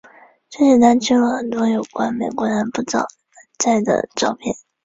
这时他记录了很多有关美国南部旱灾的照片。